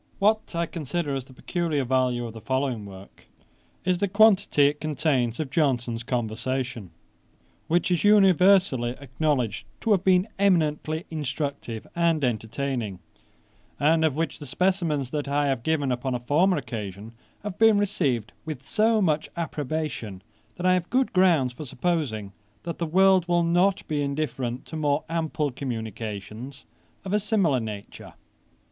What I consider as the peculiar value of the following work, is, the quantity it contains of Johnson's conversation; which is universally acknowledged to have been eminently instructive and entertaining; and of which the specimens that I have given upon a former occasion, have been received with so much approbation, that I have good grounds for supposing that the world will not be indifferent to more ample communications of a similar nature.